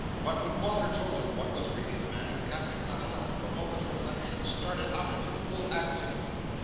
But when Walter told him what was really the matter, Captain Cuttle, after a moment's reflection, started up into full activity.